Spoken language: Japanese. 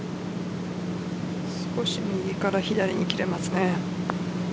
少し右から左に切れますね。